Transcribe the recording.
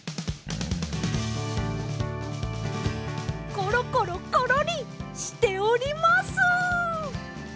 コロコロコロリしております！